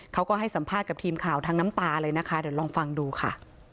เขาก็ให้สัมภาษณ์กับทีมข่าวทั้งน้ำตาเลยนะคะเดี๋ยวลองฟังดูค่ะ